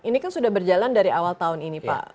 ini kan sudah berjalan dari awal tahun ini pak